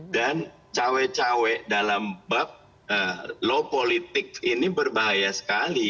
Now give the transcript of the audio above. dan cawe cawe dalam bab law politik ini berbahaya sekali